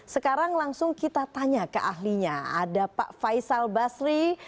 sekarang langsung kita tanya ke ahlinya ada pak faisal basri